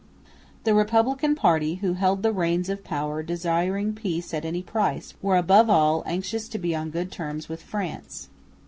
The Republican party, who held the reins of power, desiring peace at any price, were above all anxious to be on good terms with France.